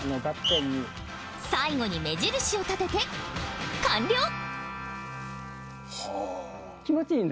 バッテンに最後に目印を立てて完了